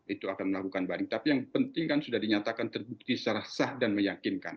itu akan melakukan banding tapi yang penting kan sudah dinyatakan terbukti secara sah dan meyakinkan